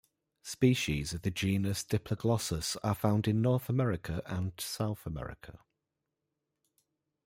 Species of the genus "Diploglossus" are found in North America and South America.